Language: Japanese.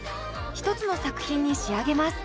一つの作品に仕上げます。